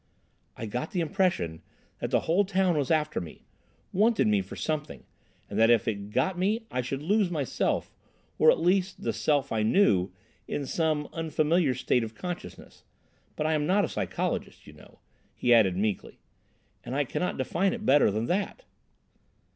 "I got the impression that the whole town was after me—wanted me for something; and that if it got me I should lose myself, or at least the Self I knew, in some unfamiliar state of consciousness. But I am not a psychologist, you know," he added meekly, "and I cannot define it better than that."